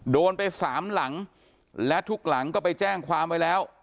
โดนไปสามหลังและทุกหลังก็ไปแจ้งความไว้แล้ว